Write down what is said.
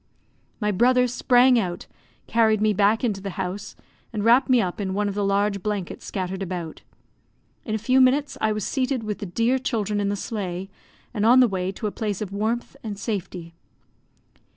My brother sprang out, carried me back into the house, and wrapped me up in one of the large blankets scattered about. In a few minutes I was seated with the dear children in the sleigh, and on the way to a place of warmth and safety.